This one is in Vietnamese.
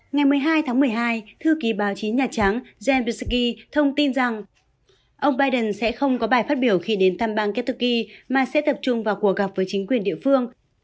ngày một mươi hai tháng một mươi hai thư ký báo chí nhà trắng zen bisky thông tin rằng ông biden sẽ không có bài phát biểu khi đến thăm bang catoki mà sẽ tập trung vào cuộc gặp với chính quyền địa phương